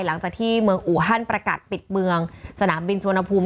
หลังจากที่เมืองอูฮันประกาศปิดเมืองสนามบินสุวรรณภูมิ